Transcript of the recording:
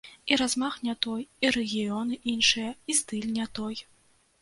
І размах не той, і рэгіёны іншыя, і стыль не той.